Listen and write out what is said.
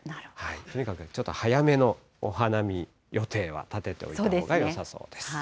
とにかくちょっと早めのお花見予定は立てておいたほうがよさそうです。